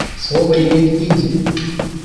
Слово имеет Индия.